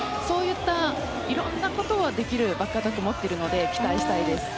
いろんなことができるバックアタックを持っているので期待したいです。